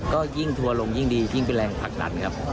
ก็ยิ่งทัวร์ลงยิ่งดียิ่งเป็นแรงผลักดันครับ